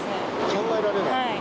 考えられない？